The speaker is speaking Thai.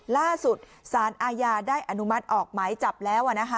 ล่าสุดสารอาญาได้อนุมัติออกหมายจับแล้ว